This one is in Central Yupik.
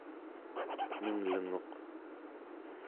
nenglenguq